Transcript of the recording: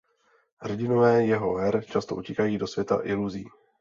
Hrdinové jeho her často utíkají do světa iluzí.